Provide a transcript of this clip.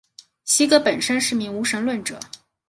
席格本身是名无神论者。